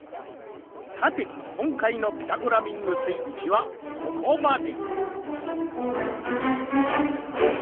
さてこんかいの「ピタゴラミングスイッチ」はここまで！